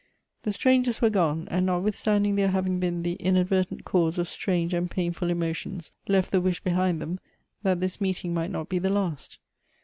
The strangers were gone, and notwithstanding their having been the inadvertent cause of strange and painful emotions left the wish behind them, that this meeting might not be the last.